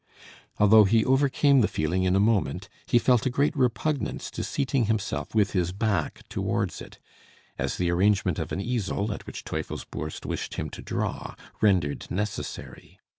Although he overcame the feeling in a moment, he felt a great repugnance to seating himself with his back towards it, as the arrangement of an easel, at which Teufelsbürst wished him to draw, rendered necessary.